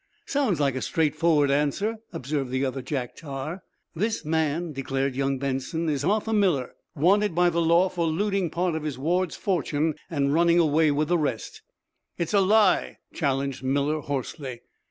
"Sounds like a straightforward answer," observed the other Jack Tar. "This man," declared young Benson, "is Arthur Miller, wanted by the law for looting part of his ward's fortune and running away with the rest." "It's a lie!" challenged Miller, hoarsely.